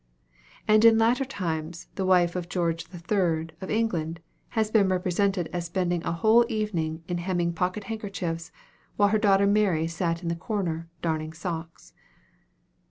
And in later times, the wife of George the Third, of England, has been represented as spending a whole evening in hemming pocket handkerchiefs, while her daughter Mary sat in the corner, darning stockings.